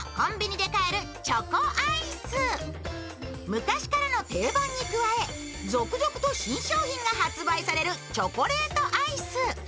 昔からの定番に加え続々と新商品が発売されるチョコレートアイス。